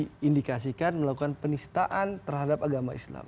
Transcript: pak hock diindikasikan melakukan penistaan terhadap agama islam